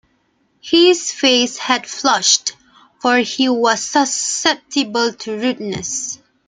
His face had flushed, for he was susceptible to rudeness.